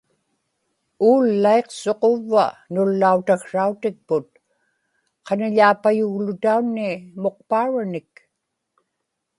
uullaiqsuq uvva nullau-taksrautikput, qaniḷaapayug-lutaunnii muqpauranik